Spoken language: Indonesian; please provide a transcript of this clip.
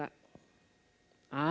ah gak mungkin kayak begitu